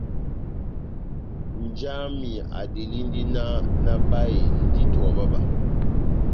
Nja wami adelindi náh nabáhe ndito wa bába.